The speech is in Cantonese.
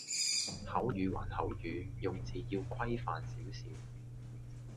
口語還口語，用字要規範少少